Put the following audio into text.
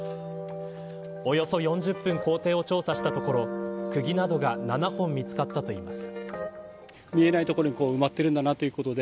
およそ４０分校庭を調査したところくぎなどが７本見つかったといいます。